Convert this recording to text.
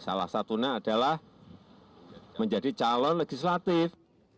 salah satunya adalah menjadi calon legislatif